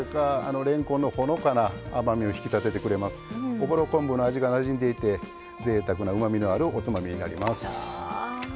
おぼろ昆布の味がなじんでいてぜいたくなうまみのあるおつまみになります。